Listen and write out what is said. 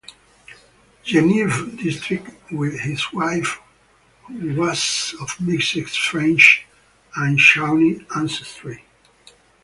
Genevieve District with his wife, who was of mixed French and Shawnee ancestry.